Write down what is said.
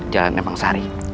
jalan memang sari